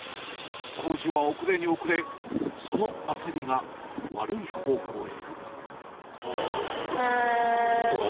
工事は遅れに遅れ、その焦りが悪い方向へ。